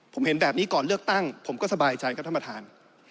ผมเห็นแบบนี้ก่อนเลือกตั้งผมก็สบายใจครับท่านประธาน